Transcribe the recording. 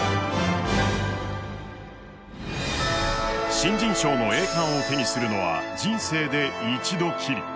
新人賞の栄冠を手にするのは人生で一度きり。